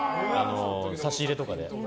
差し入れとかで。